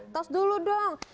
tos dulu dong